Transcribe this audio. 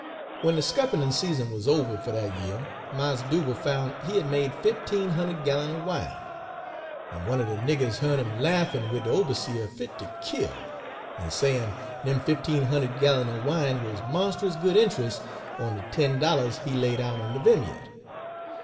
"W'en de scuppernon' season uz ober fer dat year, Mars Dugal' foun' he had made fifteen hund'ed gallon er wine; en one er de niggers hearn him laffin wid de oberseah fit ter kill, en sayin dem fifteen hund'ed gallon er wine wuz monst'us good intrus' on de ten dollars he laid out on de vimya'd.